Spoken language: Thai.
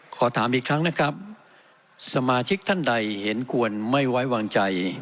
ขอถามอีกครั้งนะครับสมาชิกท่านใดเห็นควรไม่ไว้วางใจ